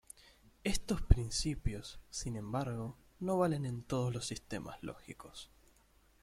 Estos principios, sin embargo, no valen en todos los sistemas lógicos.